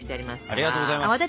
ありがとうございます！